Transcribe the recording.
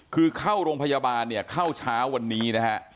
คือเข้าโรงพยาบาลเนี่ยเข้าเช้าวันนี้นะฮะ